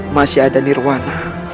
masih ada nirwana